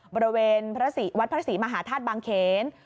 บริเวณวัทย์ภรรษีมหาธาตุบางเขน